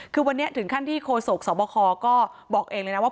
คือวันนี้ถึงขั้นที่โฆษกสบคก็บอกเองเลยนะว่า